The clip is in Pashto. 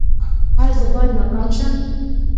ایا زه باید ناکام شم؟